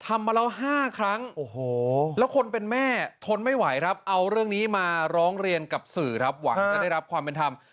มาแล้ว๕ครั้งแล้วคนเป็นแม่ทนไม่ไหวครับเอาเรื่องนี้มาร้องเรียนกับสื่อครับหวังจะได้รับความเป็นธรรม